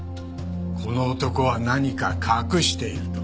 この男は何か隠していると。